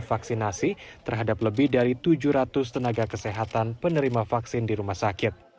vaksinasi terhadap lebih dari tujuh ratus tenaga kesehatan penerima vaksin di rumah sakit